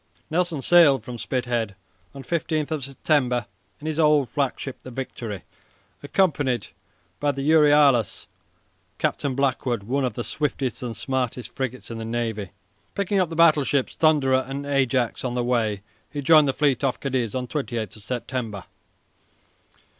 Nelson sailed from Spithead on 15 September in his old flagship the "Victory," accompanied by the "Euryalus," Captain Blackwood, one of the swiftest and smartest frigates in the navy. Picking up the battleships "Thunderer" and "Ajax" on the way, he joined the fleet off Cadiz on 28 September.